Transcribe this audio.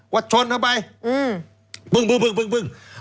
ว่าชนพบไปปึ้งปึ้ง